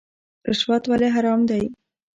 رشوت ولې حرام دی؟